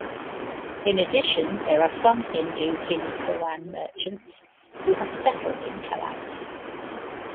In addition, there are some Hindu Hindkowan merchants who have settled in Kalat.